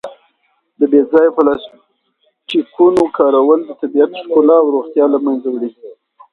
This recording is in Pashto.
د بې ځایه پلاسټیکونو کارول د طبیعت ښکلا او روغتیا له منځه وړي.